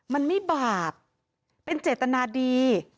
มันไม่บาปเป็นเจตนาดี